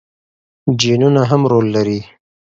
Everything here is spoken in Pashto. جینونه هم رول لري.